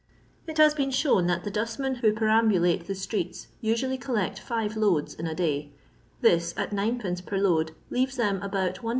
It has been shown that the dustmen who per ambulate the streets usually collect five loads in a day; this, at M, per load, leaves them about Is.